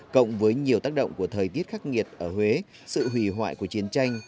cộng với nhiều tác động của thời tiết khắc nghiệt ở huế sự hủy hoại của chiến tranh